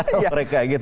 kalau mereka gitu